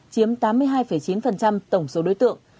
chiếm tám mươi hai chín tổng số đối tượng